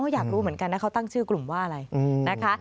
อยากรู้เหมือนกันนะเขาตั้งชื่อกลุ่มว่าอะไรนะคะ